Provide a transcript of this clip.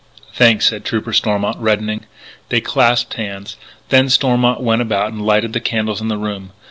"Thanks," said Trooper Stormont, reddening. They clasped hands. Then Stormont went about and lighted the candles in the room.